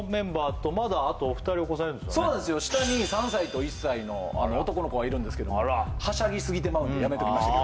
下に３歳と１歳の男の子がいるんですけどもはしゃぎすぎてまうんでやめときました